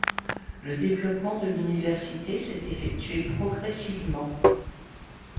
Le développement de l'Université s'est effectué progressivement.